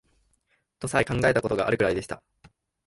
とさえ考えた事があるくらいでした